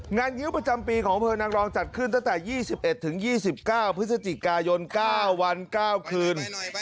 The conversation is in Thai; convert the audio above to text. งิ้วประจำปีของอำเภอนางรองจัดขึ้นตั้งแต่๒๑๒๙พฤศจิกายน๙วัน๙คืน